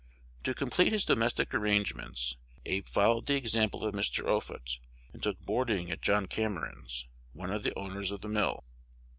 To complete his domestic arrangements, Abe followed the example of Mr. Offutt, and took boarding at John Cameron's, one of the owners of the mill.